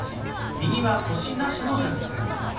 右は星なしの蛇口です。